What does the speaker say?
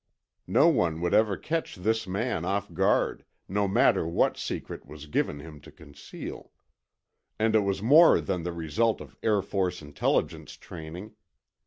No one would ever catch this man off guard, no matter what secret was given him to conceal. And it was more than the result of Air Force Intelligence training.